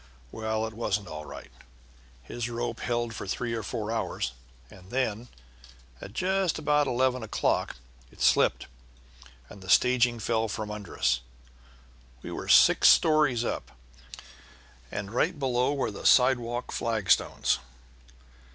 Well, it wasn't all right; his rope held for three or four hours, and then, at just about eleven o'clock, it slipped, and the staging fell from under us. We were six stories up, and right below were the sidewalk flagstones.